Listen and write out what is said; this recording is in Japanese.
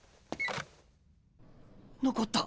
☎残った。